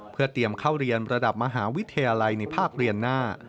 เพื่อเตรียมเข้าเรียนระดับมหาวิทยาลัยในภาคเรียนหน้า